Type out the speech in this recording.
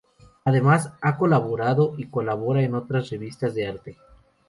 Además, ha colaborado y colabora en otras revistas de arte.